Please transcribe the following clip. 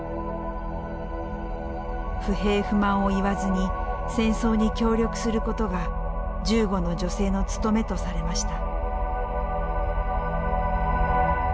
不平不満を言わずに戦争に協力することが銃後の女性の務めとされました。